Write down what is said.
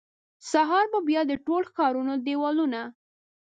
سهار به بیا د ټول ښارونو دیوالونه،